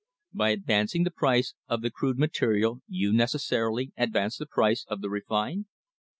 By advancing the price of the crude material you necessarily advance the price of the refined